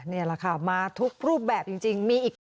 นี่แหละค่ะมาทุกรูปแบบจริงมีอีก